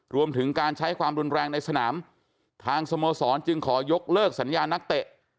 รวมถึงการใช้ความรุนแรงในสนามทางสโมสรจึงขอยกเลิกสัญญานักเตะ